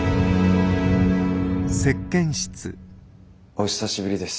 お久しぶりです。